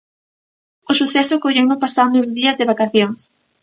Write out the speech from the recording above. O suceso colleuno pasando uns días de vacacións.